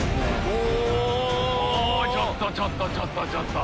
おっちょっとちょっと！